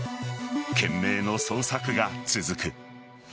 懸命の捜索が続く。